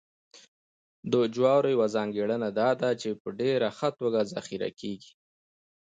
د جوارو یوه ځانګړنه دا ده چې په ډېره ښه توګه ذخیره کېږي